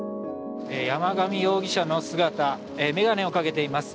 山上容疑者の姿、眼鏡をかけています。